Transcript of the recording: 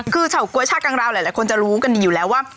คือเฉาก๊วยชากังราวหลายคนจะรู้กันดีอยู่แล้วว่า